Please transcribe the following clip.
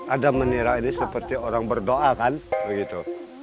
ada menira ini seperti orang berdoa kan begitu